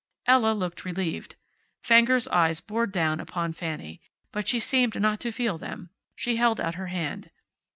Ella looked relieved. Fenger's eyes bored down upon Fanny, but she seemed not to feel them. She held out her hand.